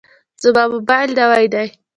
زما موبایل نوی دی.